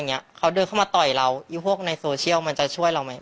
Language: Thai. อย่างเงี้ยเขาเดินเข้ามาต่อยเราพวกในโซเชียลมันจะช่วยเราไหม